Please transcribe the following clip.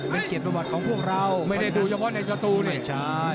เป็นเก็บประวัติของพวกเราไม่ได้ดูยังว่าในสตูนี่ไม่ใช่